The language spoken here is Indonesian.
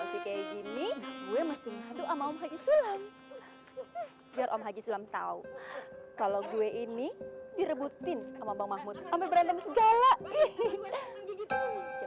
sih kayak gini gue mesti ngaduk sama om haji sulam biar om haji sulam tahu kalau gue ini direbutin sama bang mahmud sampai berantem segala